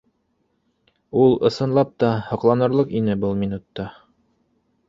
Ул, ысынлап та, һоҡланырлыҡ ине был минутта